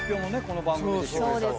この番組で。